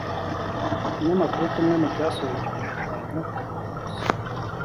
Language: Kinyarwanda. Ikinyamakuru kimwe mu byasohoye icyo gishushanyo uyu munsi